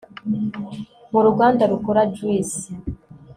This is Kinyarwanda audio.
muruganda rukora juice